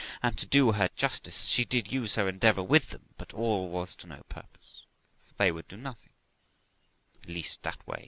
And, to do her justice, she did use her endeavour with them; but all was to no purpose, they would do nothing, at least that way.